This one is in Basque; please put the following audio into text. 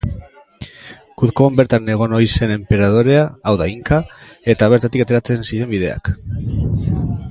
Cuzcon bertan egon ohi zen enperadorea, hau da Inka, eta bertatik ateratzen ziren bideak.